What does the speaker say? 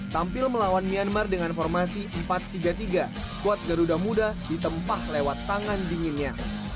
tampil melawan myanmar dengan formasi empat tiga tiga skuad garuda muda ditempah lewat tangan dinginnya